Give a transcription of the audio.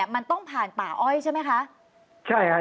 มันต้องผ่านป่าอ้อยใช่ไหมคะ